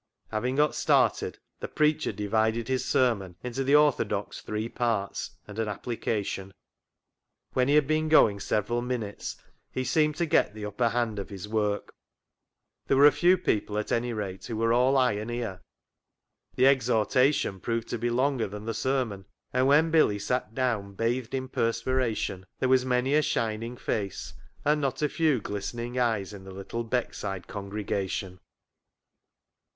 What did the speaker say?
..." Having got started, the preacher divided his sermon into the orthodox three parts and an application. When he had been going several minutes he seemed to get the upper hand of 44 CLOG SHOP CHRONICLES his work. There were a few people, at any rate, who were all eye and ear. The exhorta tion proved to be longer than the sermon, and when Billy sat down bathed in perspiration there was many a shining face and not a few glistening eyes in the little Beckside congregation.